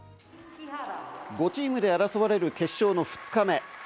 ５チームで争われる決勝の２日目。